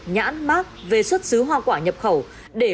nhưng mà sao mà biết được nó đỏ đỏ